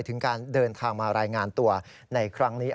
ถึงการเดินทางมารายงานตัวในครั้งนี้